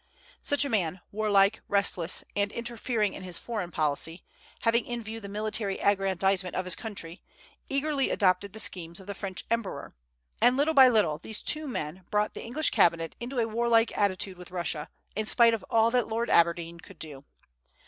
Such a man, warlike, restless, and interfering in his foreign policy, having in view the military aggrandizement of his country, eagerly adopted the schemes of the French emperor; and little by little these two men brought the English cabinet into a warlike attitude with Russia, in spite of all that Lord Aberdeen could do.